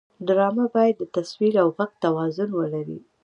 ډرامه باید د تصویر او غږ توازن ولري